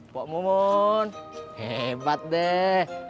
pak momon hebat deh